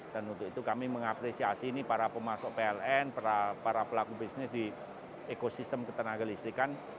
dan untuk itu kami mengapresiasi ini para pemasok pln para pelaku bisnis di ekosistem ketenaga listrikan